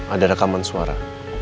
ada rekaman suara